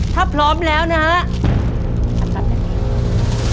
ถ้าพร้อมแล้วนะฮะ